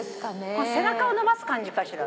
これ背中を伸ばす感じかしら？